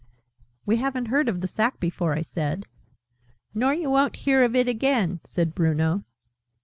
("We haven't heard of the sack before," I said. "Nor you won't hear of it again," said Bruno).